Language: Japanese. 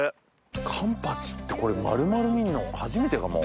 勘八ってこれ丸々見るの初めてかも。